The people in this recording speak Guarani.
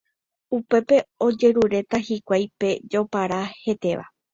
upépe ojeruréta hikuái pe jopara hetéva.